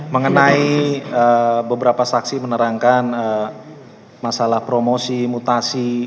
mengenai beberapa saksi menerangkan masalah promosi mutasi